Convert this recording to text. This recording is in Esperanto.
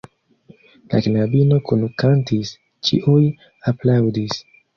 La knabino kunkantis, ĉiuj aplaŭdis.